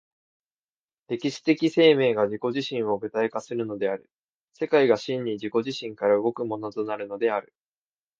歴史的生命が自己自身を具体化するのである、世界が真に自己自身から動くものとなるのである。